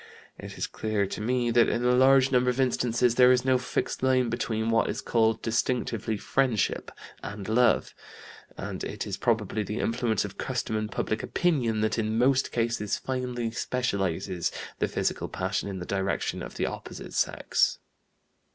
It is clear to me that in a large number of instances there is no fixed line between what is called distinctively 'friendship' and love; and it is probably the influence of custom and public opinion that in most cases finally specializes the physical passion in the direction of the opposite sex."